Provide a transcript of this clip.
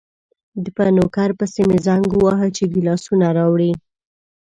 په نوکر پسې مې زنګ وواهه چې ګیلاسونه راوړي.